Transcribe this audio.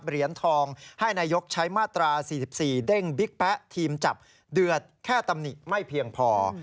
เหรียญทองให้นายกใช้มาตรา๔๔เด้งบิ๊กแป๊ะทีมจับเดือดแค่ตำหนิไม่เพียงพอ